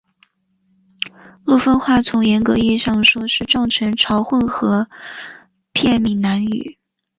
陆丰话从严格意义上来说是漳泉潮混合片闽南语。